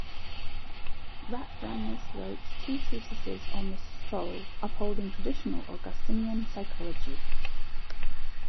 Ratramnus wrote two treatises on the soul, upholding traditional Augustinian psychology.